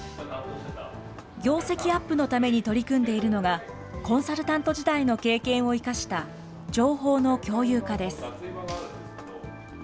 業績アップのために取り組んでいるのが、コンサルタント時代の経験を生かした情報の共有化です。